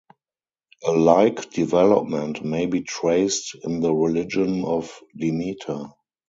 A like development may be traced in the religion of Demeter.